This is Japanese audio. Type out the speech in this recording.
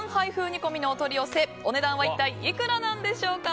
煮込みのお取り寄せ、お値段は一体いくらなんでしょうか。